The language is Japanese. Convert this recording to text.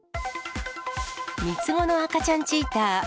３つ子の赤ちゃんチーター。